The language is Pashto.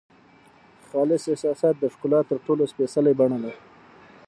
خالص احساس د ښکلا تر ټولو سپېڅلې بڼه ده.